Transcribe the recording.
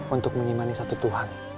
untuk mengimani satu tuhan